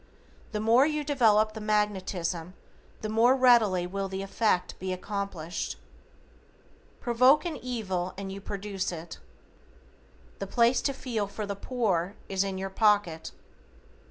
The more you develop the magnetism the more readily will the effect be accomplished. Provoke an evil and you produce it. The place to feel for the poor is in your pocket.